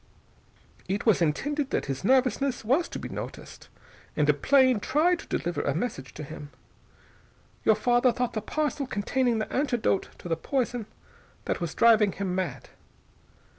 "It was intended that his nervousness was to be noticed. And a plane tried to deliver a message to him. Your father thought the parcel contained the antidote to the poison that was driving him mad.